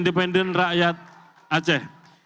nomor urut dua puluh tiga partai adil sejahtera aceh